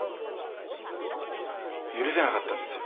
許せなかったんですよ。